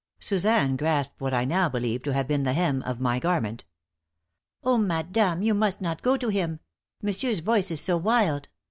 Suzanne grasped what I now believe to have been the hem of my garment. "Oh, madame, you must not go to him! Monsieur's voice is so wild!